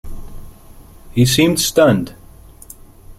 He seemed stunned.